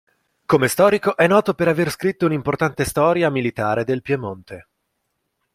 Come storico è noto per aver scritto un'importante storia militare del Piemonte.